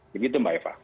begitu mbak eva